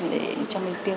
để cho mình tiêu